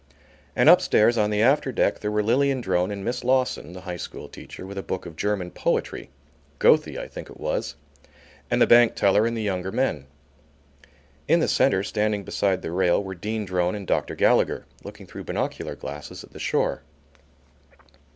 And upstairs on the after deck there were Lilian Drone and Miss Lawson, the high school teacher, with a book of German poetry, Gothey I think it was, and the bank teller and the younger men. In the centre, standing beside the rail, were Dean Drone and Dr. Gallagher, looking through binocular glasses at the shore.